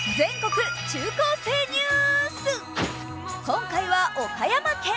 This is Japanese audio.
今回は岡山県。